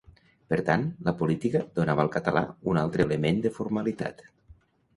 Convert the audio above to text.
Per tant, la política donava al català un altre element de formalitat.